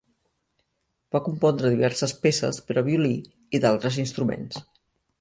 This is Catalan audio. Va compondre diverses peces per a violí i d'altres instruments.